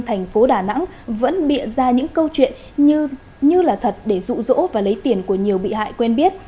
thành phố đà nẵng vẫn bịa ra những câu chuyện như là thật để rụ rỗ và lấy tiền của nhiều bị hại quen biết